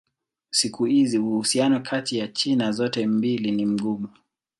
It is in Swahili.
Siku hizi uhusiano kati ya China zote mbili ni mgumu.